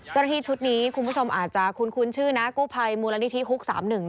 เจ้าหน้าที่ชุดนี้คุณผู้ชมอาจจะคุ้นชื่อนะกู้ภัยมูลนิธิฮุก๓๑